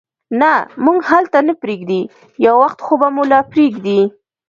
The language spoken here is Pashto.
نه، موږ هلته نه پرېږدي، یو وخت خو به مو لا پرېږدي.